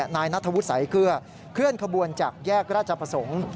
นายนัทธวุฒิสายเกลือเคลื่อนขบวนจากแยกราชประสงค์